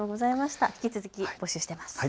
引き続き、募集しています。